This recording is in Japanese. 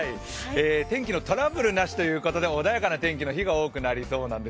天気の虎ブルなしということで穏やかな天気の日が多くなりそうなんです。